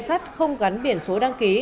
và dùng ghe sắt không gắn biển số đăng ký